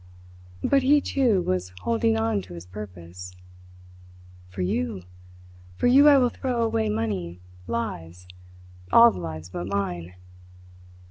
But he, too, was holding on to his purpose. "For you! For you I will throw away money, lives all the lives but mine!